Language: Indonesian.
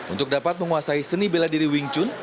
untuk dapat menguasai seni bela diri wing chun